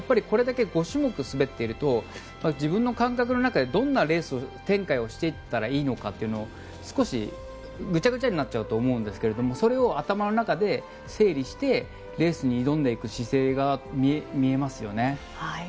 これだけ５種目滑っていると自分の感覚の中でどんなレース展開をしていったらいいのかって少しぐちゃぐちゃになっちゃうと思うんですがそれを頭の中で整理してレースに挑んでいく姿勢が見えますよね。